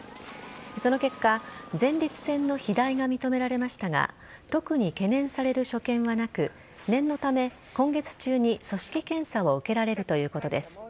その結果、前立腺の肥大が認められましたが特に懸念される所見はなく念のため今月中に組織検査を受けられるということです。